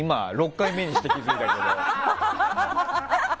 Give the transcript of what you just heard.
６回目にして気づいたけど。